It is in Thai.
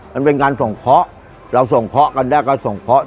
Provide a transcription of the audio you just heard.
มันเป็นการส่งเคราะห์เราส่งเคาะกันได้ก็ส่งเคราะห